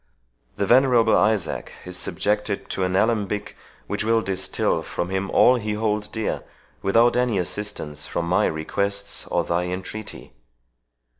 The venerable Isaac is subjected to an alembic, which will distil from him all he holds dear, without any assistance from my requests or thy entreaty.